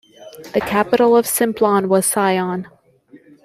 The capital of Simplon was Sion.